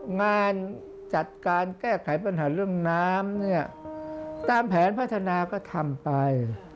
งานจัดการแก้ไขปัญหาเรื่องน้ำเนี่ยตามแผนพัฒนาก็ทำไป